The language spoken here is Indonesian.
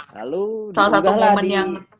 lalu diunggahlah di